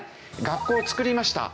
学校を作りました。